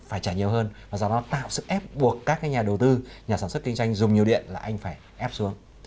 buộc các nhà đầu tư nhà sản xuất kinh doanh dùng nhiều điện là anh phải ép xuống